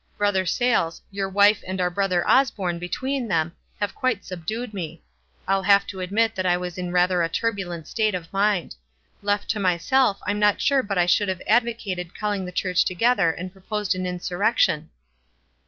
Brother Sayles, your wife and our Brother Osborne between them have quite sub dued me. I'll have to admit that I was in rather a turbulent state of mind. Left to my self I'm not sure but I should have advocated calling the church together and proposed an in surrection."